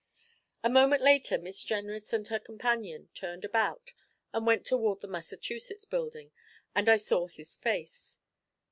A moment later Miss Jenrys and her companion turned about and went toward the Massachusetts Building, and I saw his face.